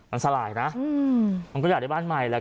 มันสลายนะมันก็อยากได้บ้านใหม่แหละ